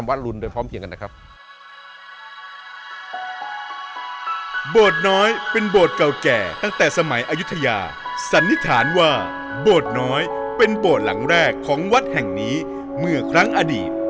โปรดน้อยเป็นโปรดเก่าแก่ตั้งแต่สมัยอายุทยาสันนิษฐานว่าโปรดน้อยเป็นโปรดหลังแรกของวัดแห่งนี้เมื่อครั้งอดีต